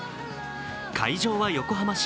会場は横浜市。